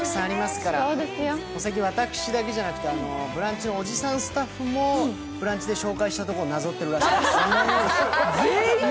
最近、私だけじゃなくて「ブランチ」のおじさんスタッフも「ブランチ」で紹介したところをなぞってるらしいです。